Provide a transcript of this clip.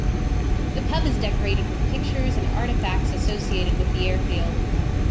The pub is decorated with pictures and artifacts associated with the airfield.